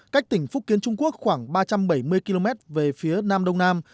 cách tỉnh phúc kiến trung quốc khoảng ba trăm bảy mươi km về phía nam đông nam